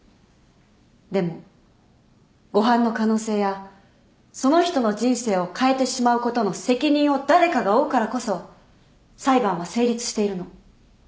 でも誤判の可能性やその人の人生を変えてしまうことの責任を誰かが負うからこそ裁判は成立しているの。